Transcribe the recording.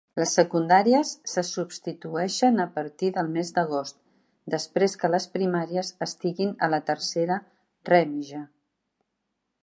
Les secundàries se substitueixen a partir del mes d'agost, després que les primàries estiguin a la tercera rèmige.